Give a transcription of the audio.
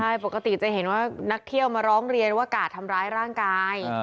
ใช่ปกติจะเห็นว่านักเที่ยวมาร้องเรียนว่ากาดทำร้ายร่างกาย